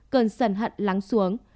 cơn sần hận lắng xuống